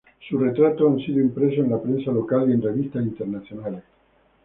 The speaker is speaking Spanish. Sus retratos han sido impresos en la prensa local y en revistas internacionales.